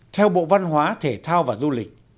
theo bộ văn hóa thể thao và du lịch